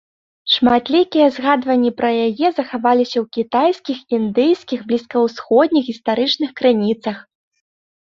Шматлікія згадванні пра яе захаваліся ў кітайскіх, індыйскіх, блізкаўсходніх гістарычных крыніцах.